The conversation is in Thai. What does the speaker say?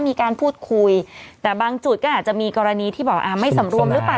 มีการพูดคุยแต่บางจุดก็อาจจะมีกรณีที่บอกอ่าไม่สำรวมหรือเปล่า